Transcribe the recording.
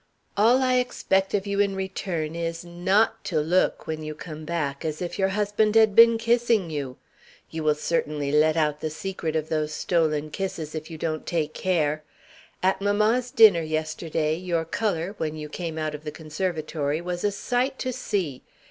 All I expect of you in return is, not to look (when you come back) as if your husband had been kissing you. You will certainly let out the secret of those stolen kisses, if you don't take care. At mamma's dinner yesterday, your color (when you came out of the conservatory) was a sight to see.